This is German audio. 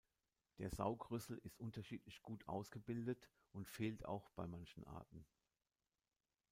Der Saugrüssel ist unterschiedlich gut ausgebildet und fehlt auch bei manchen Arten.